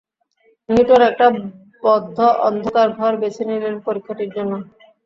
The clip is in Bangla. নিউটন একটা বদ্ধ অন্ধকার ঘর বেছে নিলেন পরীক্ষাটির জন্য।